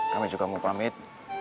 kami juga mau pamit